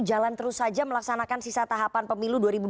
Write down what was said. jalan terus saja melaksanakan sisa tahapan pemilu dua ribu dua puluh